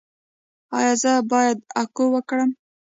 ایا زه باید اکو وکړم؟